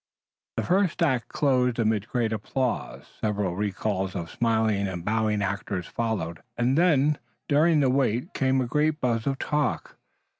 The first act closed amid great applause, several recalls of smiling and bowing actors followed, and then, during the wait, came a great buzz of talk.